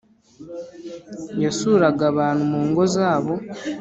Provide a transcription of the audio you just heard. yasuraga abantu mungo zabo...